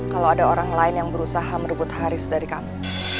kalau ada orang lain yang berusaha merebut haris dari kami